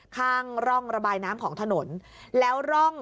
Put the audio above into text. ข้างร่องระบายน้ำของถนน